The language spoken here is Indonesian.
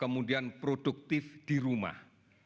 kemudian produktif di rumah